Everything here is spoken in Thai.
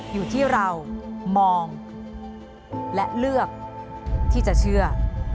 อยู่ที่เรามองและเลือกที่จะเชื่อ